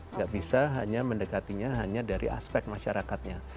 nggak bisa hanya mendekatinya hanya dari aspek masyarakatnya